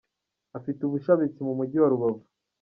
Afite ubushabitsi mu Mujyi wa Rubavu.